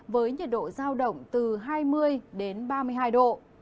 với nhiệt độ giao động từ hai mươi đến ba mươi hai độ